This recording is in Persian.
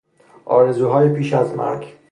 آرزوهای پیش از مرگ